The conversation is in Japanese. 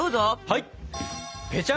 はい！